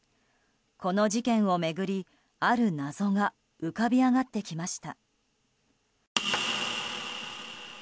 この事件を巡り、ある謎が浮かび上がってきました。